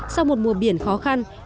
sau một mùa biển khó khăn